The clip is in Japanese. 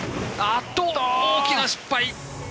大きな失敗。